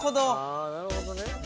あなるほどね。